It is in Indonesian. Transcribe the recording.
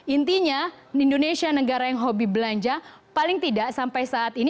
intinya indonesia negara yang hobi belanja paling tidak sampai saat ini